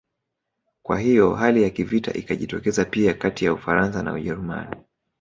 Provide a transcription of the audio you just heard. Kwa hivyo hali ya vita ikajitokeza pia kati ya Ufaransa na Ujerumani